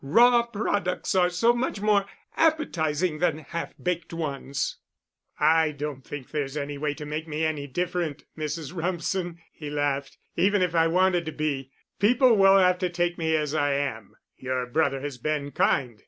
Raw products are so much more appetizing than half baked ones." "I don't think there's any way to make me any different, Mrs. Rumsen," he laughed, "even if I wanted to be. People will have to take me as I am. Your brother has been kind.